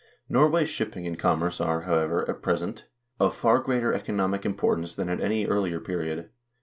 x Norway's shipping and com merce are, however, at present of far greater economic importance than at any earlier period.